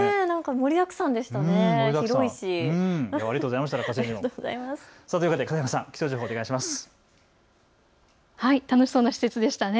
盛りだくさんでしたね。